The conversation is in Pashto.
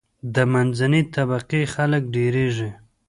د منځنۍ طبقی خلک ډیریږي.